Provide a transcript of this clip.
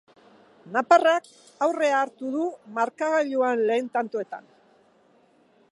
Nafarrak aurrea hartu du markagailuan lehen tantoetan.